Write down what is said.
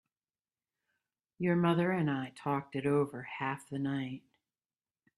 Your mother and I talked it over half the night.